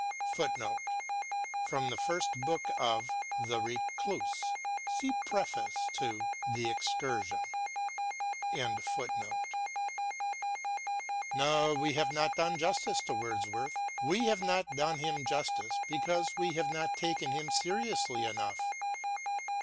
From the first book of " The Recluse." See preface to " The Excursion." WORDSWORTH AS A TEACHER 103 No, we have not done justice to Wordsworth, and we have not done him justice because we have not taken him seriously enough.